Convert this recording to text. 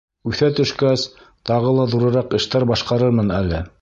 Үҫә төшкәс, тағы ла ҙурыраҡ эштәр башҡарырмын әле.